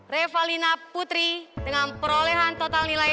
revalina putri dengan perolehan total nilai delapan sembilan